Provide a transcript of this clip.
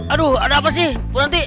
aduh ada apa sih bu nanti